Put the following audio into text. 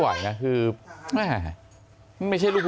ตังค์อะไรอีก